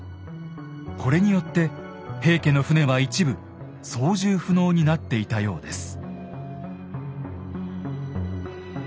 これによって平家の船は一部操縦不能になっていたようです。